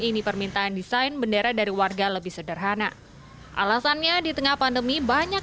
ini permintaan desain bendera dari warga lebih sederhana alasannya di tengah pandemi banyak